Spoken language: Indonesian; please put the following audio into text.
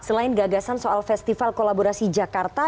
selain gagasan soal festival kolaborasi jakarta